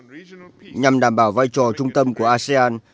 làm đảm bảo vai trò trung tâm của asean